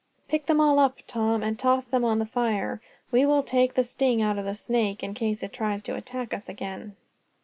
"Pick them all up, Tom, and toss them on the fire. We will take the sting out of the snake, in case it tries to attack us again."